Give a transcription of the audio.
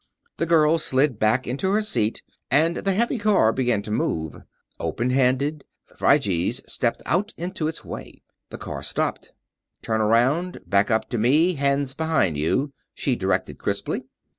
The girl slid back into her seat and the heavy car began to move. Open handed, Phryges stepped out into its way. The car stopped. "Turn around. Back up to me, hands behind you," she directed, crisply.